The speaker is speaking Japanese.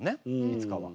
いつかは。